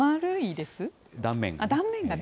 断面が。